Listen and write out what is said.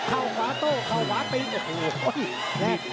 เข้าขวาโต๊ะเข้าขวาตี